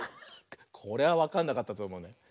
これはわかんなかったとおもうな。